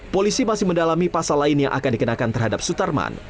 polisi masih mendalami pasal lain yang akan dikenakan terhadap sutarman